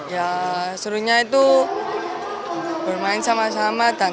ya serunya itu bermain sama sama